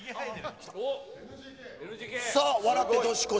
さあ、笑って年越し！